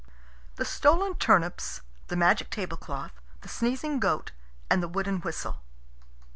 THE STOLEN TURNIPS, THE MAGIC TABLECLOTH, THE SNEEZING GOAT, AND THE WOODEN WHISTLE.